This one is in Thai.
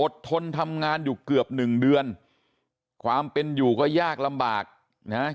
ทนทำงานอยู่เกือบหนึ่งเดือนความเป็นอยู่ก็ยากลำบากนะฮะ